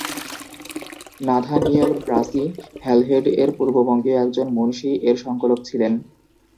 Nathaniel Brassey হ্যালহেড-এর পূর্ববঙ্গীয় একজন মুনশি এর সংকলক ছিলেন।